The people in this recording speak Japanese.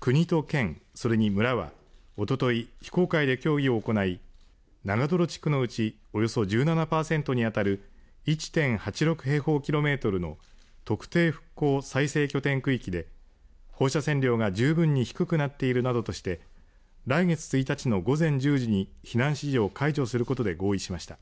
国と県、それに村はおととい非公開で協議を行い長泥地区のうちおよそ１７パーセントに当たる１．８６平方キロメートルの特定復興再生拠点区域で放射線量が十分に低くなっているなどとして来月１日の午前１０時に避難指示を解除することで合意しました。